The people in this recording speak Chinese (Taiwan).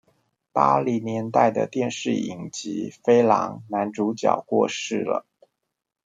八零年代的電視影集《飛狼》男主角過世了